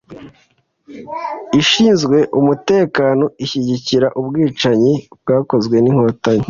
ishinzwe umutekano ishyigikira ubwicanyi bwakozwe n’Inkotanyi